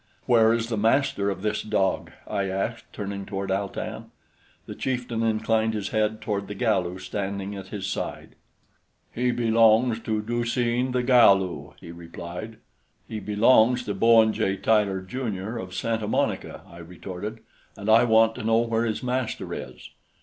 "Where is the master of this dog?" I asked, turning toward Al tan. The chieftain inclined his head toward the Galu standing at his side. "He belongs to Du seen the Galu," he replied. "He belongs to Bowen J. Tyler, Jr., of Santa Monica," I retorted, "and I want to know where his master is."